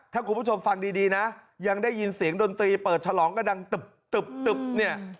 ถ้าคุณผู้ชมฟังดีนะยังได้ยินเสียงดนตรีเปิดฉลองกระดังตึบเนี่ย